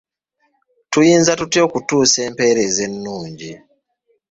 Tuyinza tutya okutuusa empeereza ennungi?